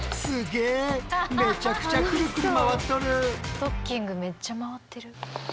ストッキングめっちゃ回ってる。